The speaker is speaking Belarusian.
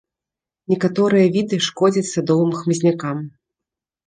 Некаторыя віды шкодзяць садовым хмызнякам.